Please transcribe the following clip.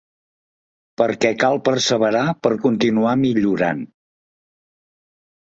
Perquè cal perseverar per continuar millorant.